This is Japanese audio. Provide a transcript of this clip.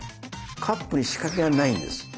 カップに仕掛けはないんです。